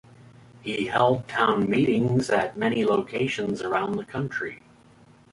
He held "town meetings" at many locations around the country.